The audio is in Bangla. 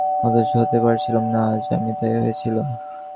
আমি যা দিন-রাত্রি হতে চাচ্ছিলুম অথচ হতে পারছিলুম না, আজ আমি তাই হয়েছি।